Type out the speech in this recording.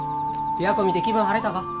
琵琶湖見て気分晴れたか？